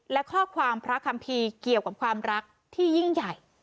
และข้อความพระคัมภีร์เกี่ยวกับความรักที่ยิ่งใหญ่